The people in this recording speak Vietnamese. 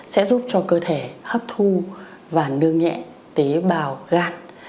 sẽ giúp cho cơ thể hấp thu và nương nhẹ tế bào gạt